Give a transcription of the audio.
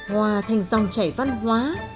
hòa thành dòng chảy văn hóa